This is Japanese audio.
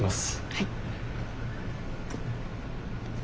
はい。